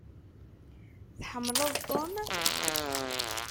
Tḥemmleḍ Tom?